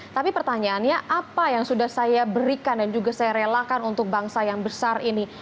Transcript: tapi pertanyaannya apa yang sudah saya berikan dan juga saya relakan untuk bangsa yang besar ini